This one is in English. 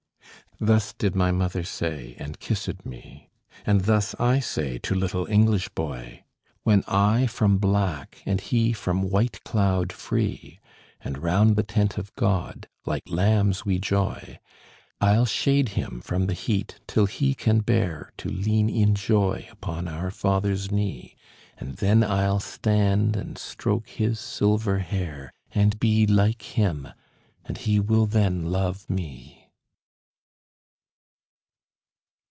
'" Thus did my mother say, and kissèd me, And thus I say to little English boy: When I from black, and he from white cloud free, And round the tent of God like lambs we joy, I'll shade him from the heat till he can bear To lean in joy upon our Father's knee; And then I'll stand and stroke his silver hair, And be like him, and he will then love me.